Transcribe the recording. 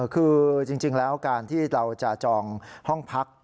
คือจริงแล้วการที่เราจะจองห้องพัก